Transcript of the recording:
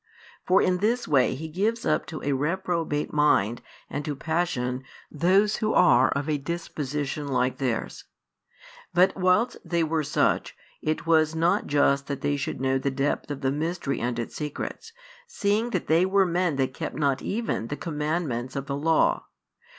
For in this way He gives up to a reprobate mind and to passion those who are of a disposition like theirs. But whilst they were such, it was not just that they should know the depth of the mystery and its secrets, seeing that they were men that kept not even the commandments of the Law.